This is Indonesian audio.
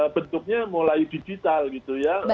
bentuknya mulai digital gitu ya